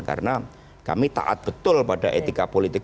karena kami taat betul pada etika politik